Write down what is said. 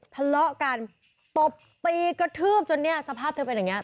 ทะเลาะกันตบตีกระทืบจนเนี่ยสภาพเธอเป็นอย่างนี้